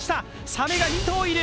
サメが２頭いる。